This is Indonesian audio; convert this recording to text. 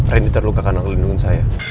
randy terluka karena ngelindungin saya